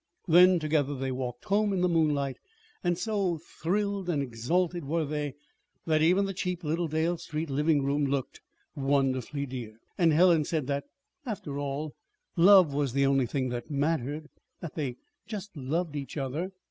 Then together they walked home in the moonlight; and so thrilled and exalted were they that even the cheap little Dale Street living room looked wonderfully dear. And Helen said that, after all, love was the only thing that mattered that they just loved each other.